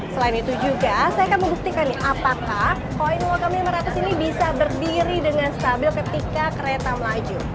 selain itu juga saya akan membuktikan nih apakah koin workom lima ratus ini bisa berdiri dengan stabil ketika kereta melaju